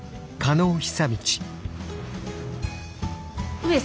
上様！